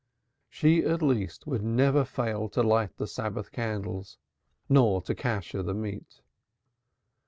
She at least would never fail to light the Sabbath candles nor to kasher the meat.